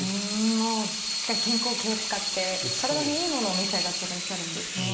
もうしっかり健康気を遣って体にいいものを召し上がってらっしゃるんですね。